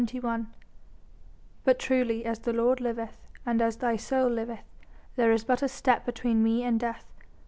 CHAPTER XXI "But truly as the Lord liveth, and as thy soul liveth, there is but a step between me and death."